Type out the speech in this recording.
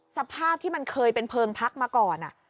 สภาพที่มันเคยเป็นเพลิงพักมาก่อน